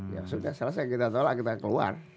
ya sudah selesai kita tolak kita keluar